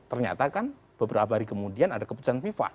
ternyata kan beberapa hari kemudian ada keputusan fifa